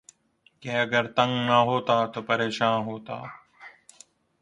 کہ اگر تنگ نہ ہوتا تو پریشاں ہوتا